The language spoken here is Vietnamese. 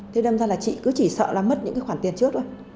thế đâm ra là chị cứ chỉ sợ là mất những cái khoản tiền trước thôi